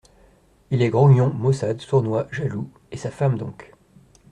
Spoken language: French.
Il est grognon, maussade, sournois, jaloux… et sa femme donc !…